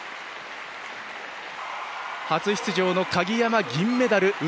初出場の鍵山、銀メダル。